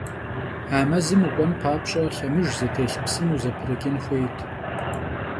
A mezım vuk'uen papş'e, lhemıjj zıtêlh psım vuzeprıç'ın xuêyt.